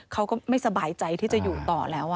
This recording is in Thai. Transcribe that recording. เขาก็ไม่สบายใจที่จะอยู่ต่อแล้ว